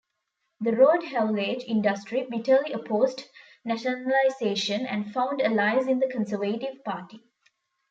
The road haulage industry bitterly opposed nationalisation, and found allies in the Conservative Party.